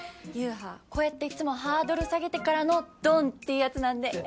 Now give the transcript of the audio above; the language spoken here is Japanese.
ゆうはこうやっていっつもハードル下げてからのドン！っていうやつなんで。